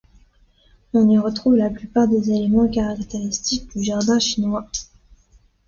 On y retrouve la plupart des éléments caractéristiques du jardin chinois.